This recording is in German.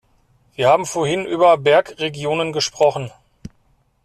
Wir haben vorhin über Bergregionen gesprochen.